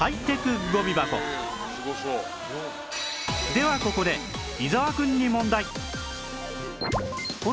ではここで伊沢くんに問題